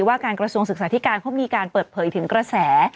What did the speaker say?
ว่าการกระทรวงศึกษาธิการเขามีการเปิดเผยถึงกระแส